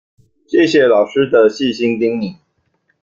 謝謝老師的細心叮嚀